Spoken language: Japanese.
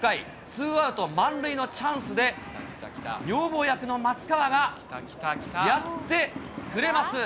ツーアウト満塁のチャンスで、女房役の松川がやってくれます。